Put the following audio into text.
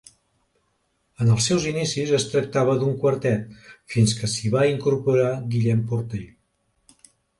En els seus inicis es tractava d'un quartet, fins que s'hi va incorporar Guillem Portell.